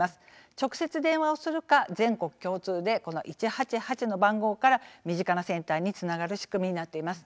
直接電話をするか全国共通で１８８の番号から身近なセンターにつながる仕組みになっています。